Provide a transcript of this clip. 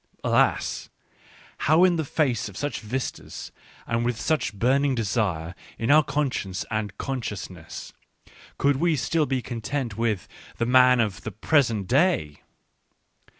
Alas ! how in the face of such vistas, and with such burning desire in our conscience and consciousness, could we still be content with the man of the present day